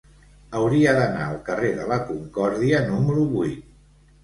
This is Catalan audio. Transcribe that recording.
Hauria d'anar al carrer de la Concòrdia número vuit.